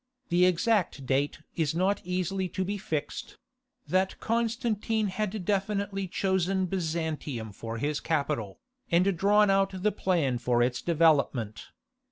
328 or 329—the exact date is not easily to be fixed—that Constantine had definitely chosen Byzantium for his capital, and drawn out the plan for its development.